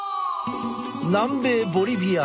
南米ボリビア。